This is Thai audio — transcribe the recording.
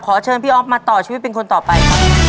ขอเชิญพี่ออฟมาต่อชีวิตเป็นคนต่อไป